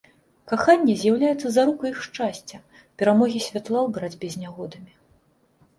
Каханне з'яўляецца зарукай іх шчасця, перамогі святла ў барацьбе з нягодамі.